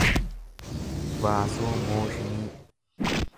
vaasoomooshinii